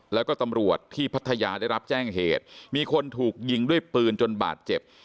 แล้วก็ตำรวจที่พัทยาได้รับแจ้งเหตุมีคนถูกยิงด้วยปืนจนบาดเจ็บ